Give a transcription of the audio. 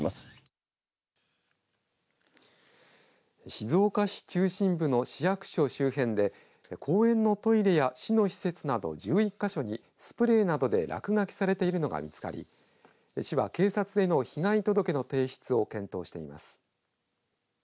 静岡市中心部の市役所周辺で公園のトイレや市の施設など１１か所にスプレーなどで落書きされているのが見つかり市は警察への被害届の提出を検討しています。